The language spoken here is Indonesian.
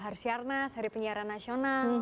har siar nas hari penyiaran nasional